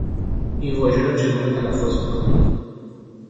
این واژه را چگونه تلفظ میکنید؟